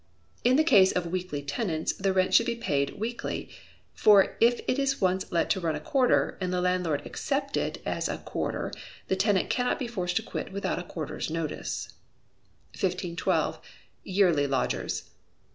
In case of weekly tenants, the rent should be paid weekly, for if it is once let to run a quarter, and the landlord accept it as a quarter, the tenant cannot be forced to quit without a quarter's notice. 1512. Yearly Lodgers.